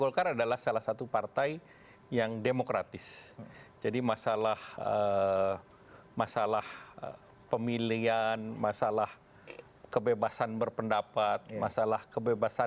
oke itu yang menjadi catatan bahwa